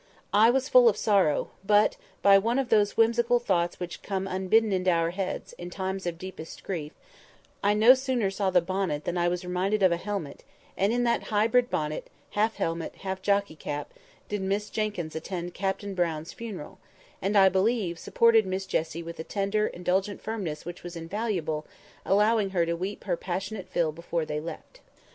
I was full of sorrow, but, by one of those whimsical thoughts which come unbidden into our heads, in times of deepest grief, I no sooner saw the bonnet than I was reminded of a helmet; and in that hybrid bonnet, half helmet, half jockey cap, did Miss Jenkyns attend Captain Brown's funeral, and, I believe, supported Miss Jessie with a tender, indulgent firmness which was invaluable, allowing her to weep her passionate fill before they left.